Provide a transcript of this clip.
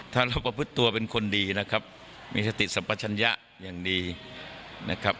ถ้าเราประพฤติตัวเป็นคนดีนะครับมีสติสัมปัชญะอย่างดีนะครับ